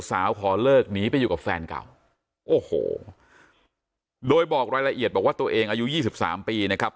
ขอเลิกหนีไปอยู่กับแฟนเก่าโอ้โหโดยบอกรายละเอียดบอกว่าตัวเองอายุ๒๓ปีนะครับ